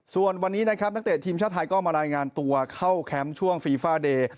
ส่วนวันนี้นะครับนักเตะทีมชาติไทยก็มารายงานตัวเข้าแคมป์ช่วงฟีฟ่าเดย์